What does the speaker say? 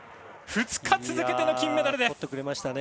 ２日続けての金メダルです！